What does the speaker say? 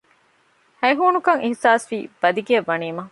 ހައިހޫނުކަން އިހްޞާސްވީ ބަދިގެއަށް ވަނީމަ